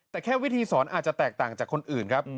แต่แค่วิธีสอนอาจจะแตกต่างจากคนอื่นครับ